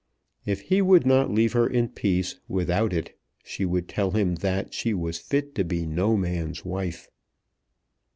If he would not leave her in peace without it she would tell him that she was fit to be no man's wife.